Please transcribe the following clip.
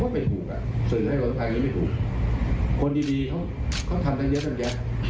ไม่ถูกอ่ะสื่อให้เราทำแบบนี้ไม่ถูกคนดีดีเขาเขาทำได้เยอะแบบนี้